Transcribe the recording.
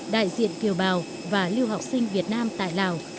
đại diện kiều bào và lưu học sinh việt nam tại lào